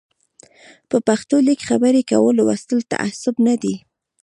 په پښتو لیکل خبري کول لوستل تعصب نه دی